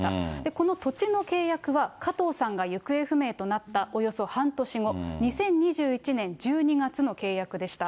この土地の契約は加藤さんが行方不明となったおよそ半年後、２０２１年１２月の契約でした。